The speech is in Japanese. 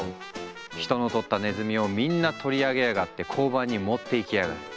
「人の捕った鼠を皆んな取り上げやがって交番に持って行きあがる。